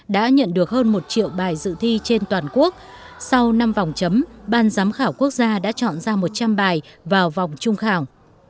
đã nhận được hơn một triệu bài dự thi trên toàn quốc sau năm vòng chấm ban giám khảo quốc gia đã chọn ra một trăm linh bài vào vòng trung khảo